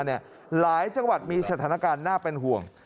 ที่ผ่านมาหลายจังหวัดมีสถานการณ์น่าเป็นห่วง